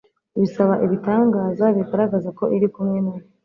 basaba ibitangaza bigaragaza ko Iri kumwe na bo